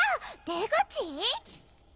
出口！？